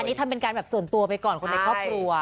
อันนี้ทำเป็นการแบบส่วนตัวไปก่อนคนในครอบครัว